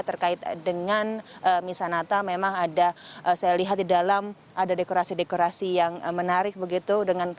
terkait dengan misa natal memang ada saya lihat di dalam ada dekorasi dekorasi yang menarik begitu